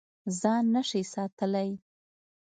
ځان نه شې ساتلی.